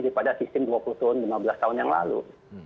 daripada sistem dua puluh tahun lima belas tahun yang lalu